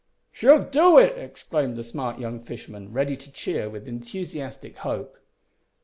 "She'll do it!" exclaimed the smart young fisherman, ready to cheer with enthusiastic hope.